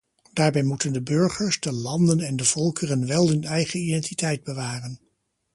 Daarbij moeten de burgers, de landen en de volkeren wel hun eigen identiteit bewaren.